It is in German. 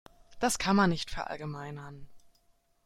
Das kann man nicht verallgemeinern.